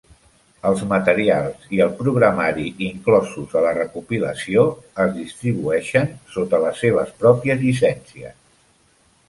Els materials i el programari inclosos a la recopilació es distribueixen sota les seves pròpies llicències.